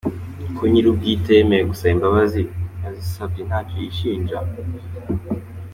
Ko nyiri ubwite yemeye gusaba imbabazi, yazisabye ntacyo yishinja ?